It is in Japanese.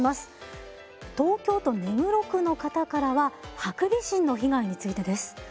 東京都目黒区の方からはハクビシンの被害についてです。